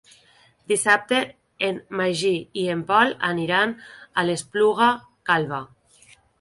Dissabte en Magí i en Pol aniran a l'Espluga Calba.